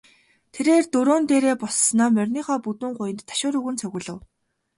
Тэрээр дөрөөн дээрээ боссоноо мориныхоо бүдүүн гуянд ташуур өгөн цогиулав.